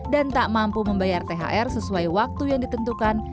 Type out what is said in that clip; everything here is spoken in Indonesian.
dan tak mampu membayar thr sesuai waktu yang ditentukan